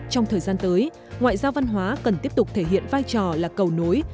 trong thời gian tới ngoại giao văn hóa cần tiếp tục thể hiện vai trò là cầu nối